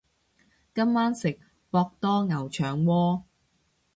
今晚食博多牛腸鍋